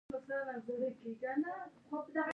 ړستونی مو پورته کړی چې فشار مو وګورم.